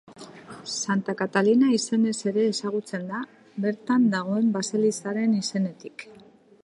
Santa Katalina izenez ere ezagutzen da, bertan dagoen baselizaren izenetik.